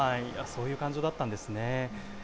そういう感情だったんですね。